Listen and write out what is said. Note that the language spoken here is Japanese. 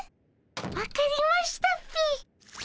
分かりましたっピィ。